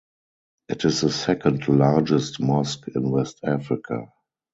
It is the second largest mosque in West Africa.